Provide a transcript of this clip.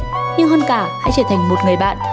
nhưng hơn cả hãy trở thành một người bạn